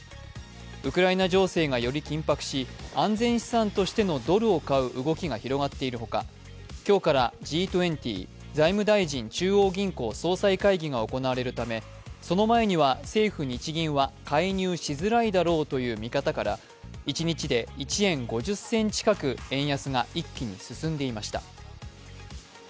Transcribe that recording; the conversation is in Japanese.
ウクライナ情勢がより緊迫し、安全資産としてのドルを買う動きが広がっている他、今日からＧ２０財務大臣・中央銀行総裁会議が行われるためその前には政府・日銀は介入しづらいだろうという見方から一日で１円５０銭近く円安が一気に進んでいました。